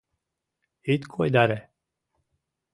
Ит койдаре!